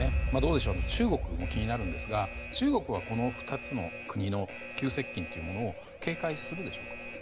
中国も気になりますが中国はこの２つの国の急接近というものを警戒するでしょうか。